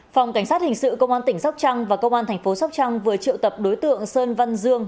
phòng cảnh sát hình sự công an tỉnh sóc trăng và công an thành phố sóc trăng vừa triệu tập đối tượng sơn văn dương